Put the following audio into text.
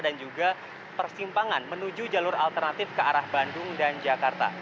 dan juga persimpangan menuju jalur alternatif ke arah bandung dan jakarta